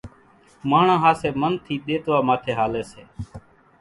ماڻۿان ۿاسي منَ ٿي ۮيتوا ماٿي ھالي سي